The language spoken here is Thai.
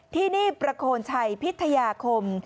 ที่นี่ประโคนชัยพิทยาคม